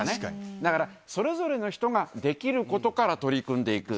だから、それぞれの人ができることから取り組んでいく。